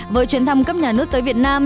với chuyến thăm cấp nhà nước tới việt nam